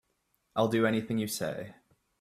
I'll do anything you say.